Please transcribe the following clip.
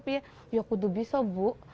ya aku bisa bu